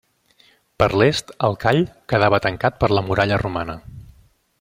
Per l'est, el call quedava tancat per la muralla romana.